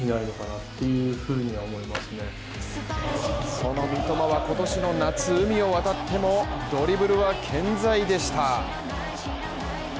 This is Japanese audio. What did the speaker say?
その三笘は今年の夏、海を渡ってもドリブルは健在でした。